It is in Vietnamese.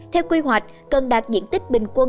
theo quy hoạch cần đạt diện tích bình quân